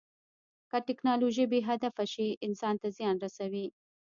که ټیکنالوژي بې هدفه شي، انسان ته زیان رسوي.